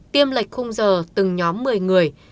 tiêm lệch khung giờ từng nhóm một mươi người